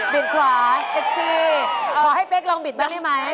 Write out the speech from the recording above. ขวาเซ็กซี่ขอให้เป๊กลองบิดบ้างได้ไหม